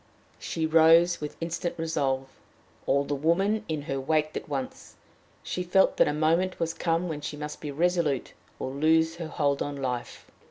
She rose with instant resolve. All the woman in her waked at once. She felt that a moment was come when she must be resolute, or lose her hold on life.